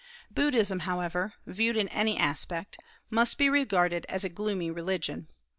Buddhism, however, viewed in any aspect, must be regarded as a gloomy religion.